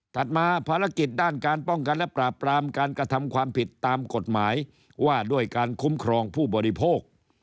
มาภารกิจด้านการป้องกันและปราบปรามการกระทำความผิดตามกฎหมายว่าด้วยการคุ้มครองผู้บริโภค